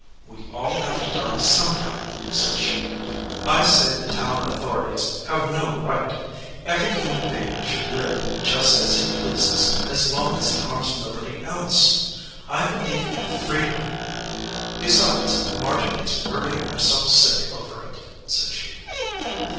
"We all have to die sometime," said she. "I say the town authorities have no right. Every human being should live just as he pleases as long as he harms nobody else. I believe in free dom. Besides, Margy is worrying herself sick over it," said she.